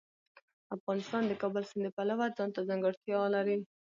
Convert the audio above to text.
افغانستان د د کابل سیند د پلوه ځانته ځانګړتیا لري.